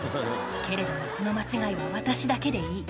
けれどもこの間違いは私だけでいい。